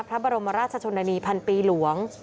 พระบรมราชชนนานีพันปีหลวง